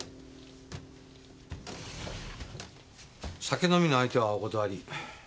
酒飲みの相手はお断り。